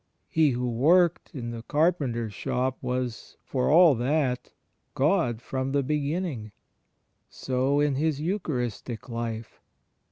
He who worked in the Carpenter's shop was, for all that, God from the beginning. So in His Eucharistic Life.